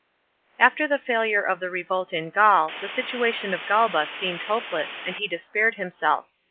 After the failure of the revolt in Gaul, the situation of Galba seemed hopeless, and he despaired himself.